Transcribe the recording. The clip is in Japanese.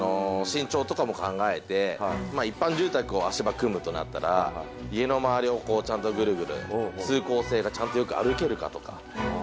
身長とかも考えて一般住宅を足場組むとなったら家の周りをちゃんとぐるぐる通行性がちゃんとよく歩けるかとか。